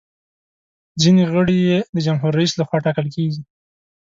ځینې غړي یې د جمهور رئیس لخوا ټاکل کیږي.